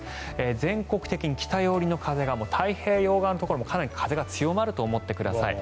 全国的に北寄りの風が太平洋側のところはかなり風が強まると思ってください。